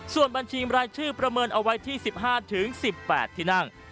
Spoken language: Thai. ส่วนบัญชีรายชื่อประเมินเอาไว้ที่๑๕๑๘ที่นั่ง